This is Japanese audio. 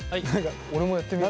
俺もやってみよう。